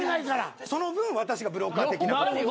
その分私がブローカー的な。